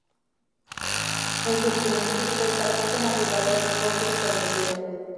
En su juventud destacó como jugador de hockey sobre hierba.